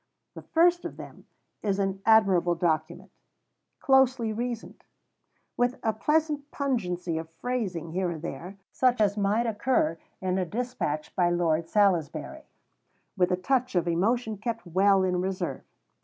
The first of them is an admirable document; closely reasoned; with a pleasant pungency of phrasing here and there, such as might occur in a despatch by Lord Salisbury; with a touch of emotion kept well in reserve.